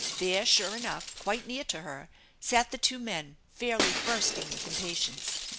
There, sure enough, quite near to her, sat the two men, fairly bursting with impatience.